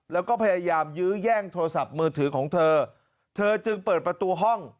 แล้วก็พยายามยื้อแย่งโทรศัพท์มือถือของเธอเธอจึงเปิดประตูห้อง